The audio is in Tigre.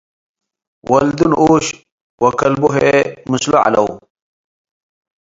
ወልዱ ንኡሽ ወከልቡ ህዬ ምስሉ ዐለው።